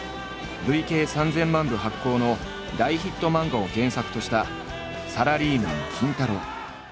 累計３，０００万部発行の大ヒット漫画を原作とした「サラリーマン金太郎」。